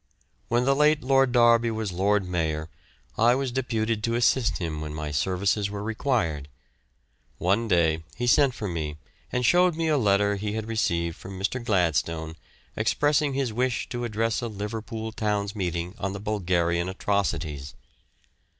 When the late Lord Derby was Lord Mayor I was deputed to assist him when my services were required. One day he sent for me and showed me a letter he had received from Mr. Gladstone expressing his wish to address a Liverpool Town's meeting on the Bulgarian Atrocities.